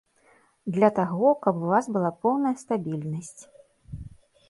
Для таго, каб у вас была поўная стабільнасць.